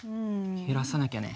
減らさなきゃね。